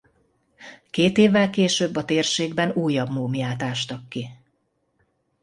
Két évvel később a térségben újabb múmiát ástak ki.